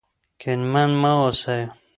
کینمن مه اوسئ.